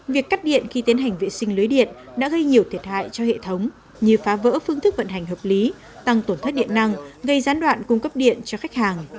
việc cắt điện khi tiến hành vệ sinh lưới điện đã gây nhiều thiệt hại cho hệ thống như phá vỡ phương thức vận hành hợp lý tăng tổn thất điện năng gây gián đoạn cung cấp điện cho khách hàng